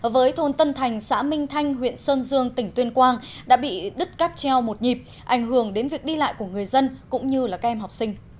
với thôn tân thành xã minh thanh huyện sơn dương tỉnh tuyên quang đã bị đứt cáp treo một nhịp ảnh hưởng đến việc đi lại của người dân cũng như các em học sinh